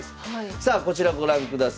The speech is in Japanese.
さあこちらご覧ください。